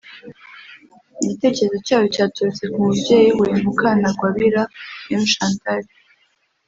igitekerezo cyawo cyaturutse ku mubyeyi we Mukantagwabira M Chantal